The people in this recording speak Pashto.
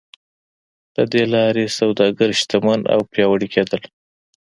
له دې لارې سوداګر شتمن او پیاوړي کېدل.